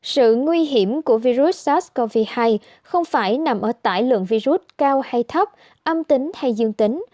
sự nguy hiểm của virus sars cov hai không phải nằm ở tải lượng virus cao hay thấp âm tính hay dương tính